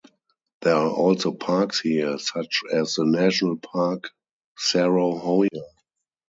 There are also parks here, such as the national park Cerro Hoya.